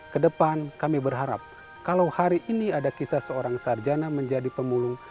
kedepan kami berharap kalau hari ini ada kisah seorang sarjana menjadi pemulung